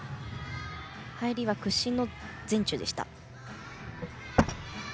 入りは屈身の前宙でした。